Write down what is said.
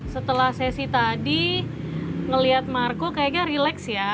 setelah sesi tadi ngelihat marco kayaknya relax ya